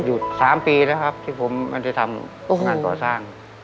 อยู่๓ปีแล้วครับที่ผมมันจะทำงานก่อสร้าง